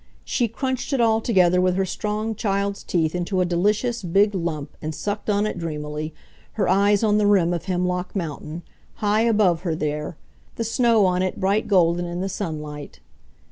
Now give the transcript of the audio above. She crunched it all together with her strong, child's teeth into a delicious, big lump and sucked on it dreamily, her eyes on the rim of Hemlock Mountain, high above her there, the snow on it bright golden in the sunlight.